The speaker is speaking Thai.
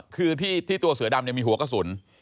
คือที่ตัวเสือดำมีหัวกระสุน